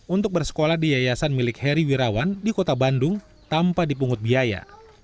untuk bersekolah di yayasan milik heri wirawan di kota bandung tanpa dipungut biaya